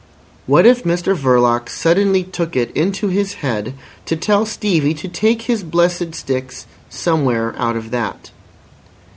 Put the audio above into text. What if Mr Verloc suddenly took it into his head to tell Stevie to take his blessed sticks somewhere out of that?